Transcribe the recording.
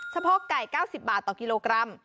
โพกไก่๙๐บาทต่อกิโลกรัม